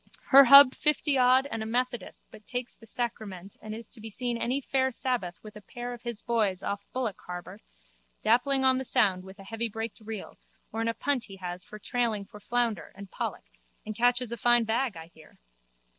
Her hub fifty odd and a methodist but takes the sacrament and is to be seen any fair sabbath with a pair of his boys off Bullock harbour dapping on the sound with a heavybraked reel or in a punt he has trailing for flounder and pollock and catches a fine bag, I hear.